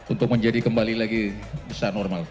untuk menjadi kembali lagi besar normal